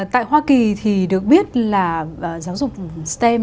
tại hoa kỳ thì được biết là giáo dục stem